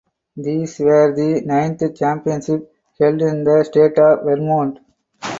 These were the ninth championships held in the state of Vermont.